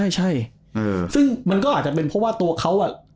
ใช่ซึ่งมันก็อาจจะเป็นเพราะว่าตัวเขาอ่ะ